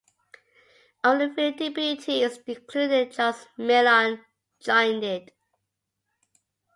Only three deputies, including Charles Millon, joined it.